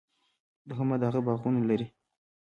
د محمد اغه باغونه لري